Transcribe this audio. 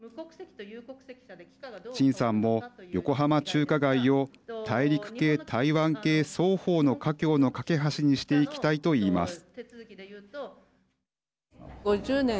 陳さんも横浜中華街を大陸系、台湾系双方の華僑の懸け橋にしていきたいといいます。